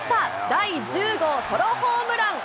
第１０号ソロホームラン。